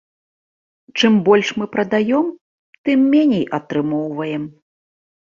Чым больш мы прадаём, тым меней атрымоўваем.